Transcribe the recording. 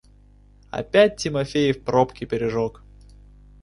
Опять Тимофеев пробки пережег!